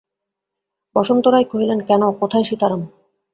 বসন্ত রায় কহিলেন, কেন, কোথায় সীতারাম?